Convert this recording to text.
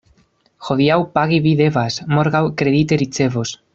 Hodiaŭ pagi vi devas, morgaŭ kredite ricevos.